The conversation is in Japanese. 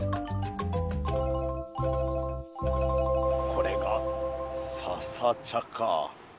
これが笹茶か。